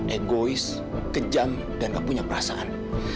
egois kejam dan gak punya perasaan